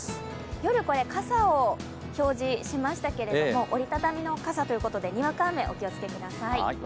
夜は傘を表示しましたけれども、折り畳みの傘ということでにわか雨、お気をつけください。